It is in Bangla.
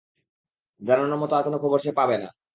জানানোর মত আর কোন খবর সে পাবে না।